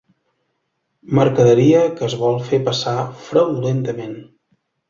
Mercaderia que es vol fer passar fraudulentament.